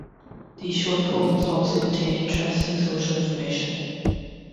These short poems also contain interesting social information.